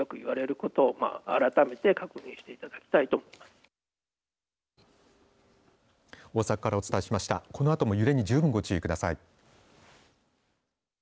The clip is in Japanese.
このあとも揺れに十分ご注意ください。